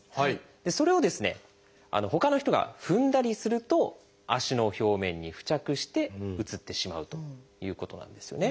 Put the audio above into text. それをほかの人が踏んだりすると足の表面に付着してうつってしまうということなんですよね。